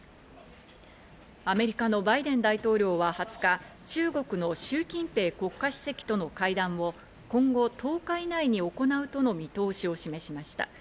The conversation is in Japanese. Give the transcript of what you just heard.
アメリカのバイデン大統領は２０日、中国のシュウ・キンペイ国家主席との会談を今後１０日以内に行うとの見通しを示しました。